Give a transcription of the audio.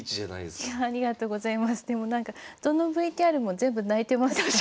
でもなんかどのＶＴＲも全部泣いてますね。